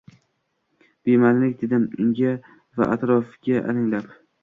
Bema`nilik, dedim unga va atrofga alanglab